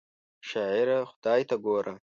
شاعره خدای ته ګوره!